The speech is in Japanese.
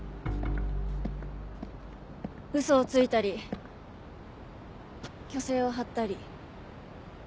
ウソをついたり虚勢を張ったり。